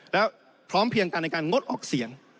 แล้วพร้อมเพียงกันในการงดออกเสียง